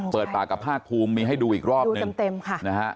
เปิดปากกับภาคภูมิมีให้ดูอีกรอบนึง